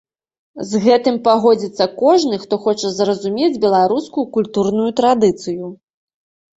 З гэтым пагодзіцца кожны, хто хоча зразумець беларускую культурную традыцыю.